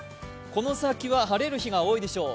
この先は晴れる日が多いでしょう。